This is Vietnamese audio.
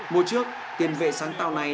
mùa trước tiền vệ sáng tạo này